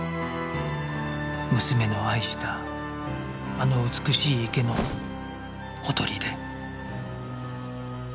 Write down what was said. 娘の愛したあの美しい池のほとりで